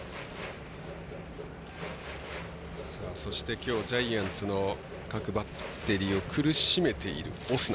きょう、ジャイアンツの各バッテリーを苦しめているオスナ。